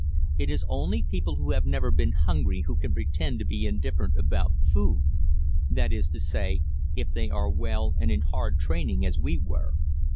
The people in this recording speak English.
It is only people who have never been hungry who can pretend to be indifferent about food that is to say, if they are well and in hard training as we were.